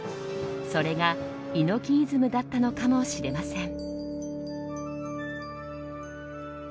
それが猪木イズムだったのかもしれません。